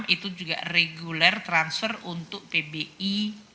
itu juga reguler transfer untuk pbi